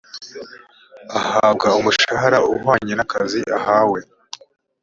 ahabwa umushahara uhwanye n’akazi ahawe